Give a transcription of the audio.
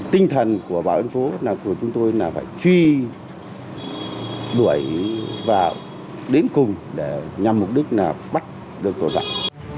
tinh thần của bảo an phố là của chúng tôi là phải truy đuổi và đến cùng để nhằm mục đích là bắt được tội phạm